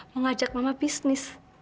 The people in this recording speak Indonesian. mau ngajak mama bisnis